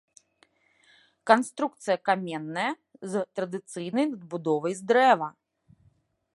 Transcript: Канструкцыя каменная, з традыцыйнай надбудовай з дрэва.